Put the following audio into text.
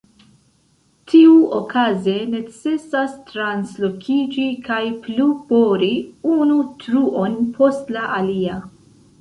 Tiuokaze necesas translokiĝi kaj plu bori unu truon post la alia.